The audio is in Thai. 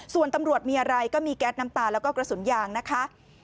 ส่วนตำรวจมีอะไรก็มีแก๊สน้ำตาแล้วก็กระสุนยางนะคะ